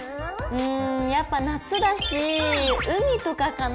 うんやっぱ夏だし海とかかな。